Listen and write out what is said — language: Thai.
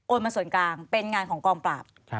มาส่วนกลางเป็นงานของกองปราบ